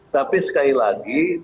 tapi sekali lagi